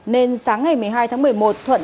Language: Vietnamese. nên sáng ngày một mươi hai tháng một mươi một thuận